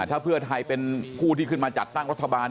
ถ้าเพื่อไทยเป็นผู้ที่ขึ้นมาจัดตั้งรัฐบาล